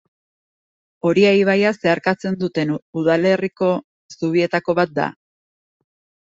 Oria ibaia zeharkatzen duten udalerriko zubietako bat da.